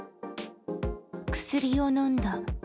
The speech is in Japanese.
薬を飲んだ。